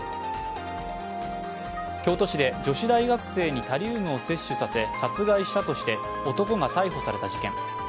京都市で女子大学生にタリウムを摂取させ殺害したとして男が逮捕された事件。